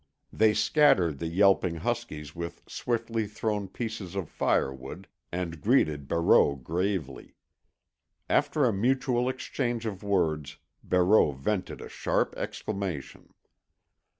They scattered the yelping huskies with swiftly thrown pieces of firewood, and greeted Barreau gravely. After a mutual exchange of words Barreau vented a sharp exclamation.